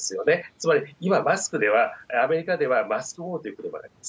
つまり今、マスクでは、アメリカではマスクノーということばがあります。